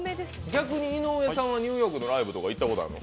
逆に井上さんはニューヨークのライブとかは行ったことあるの？